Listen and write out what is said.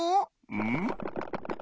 うん？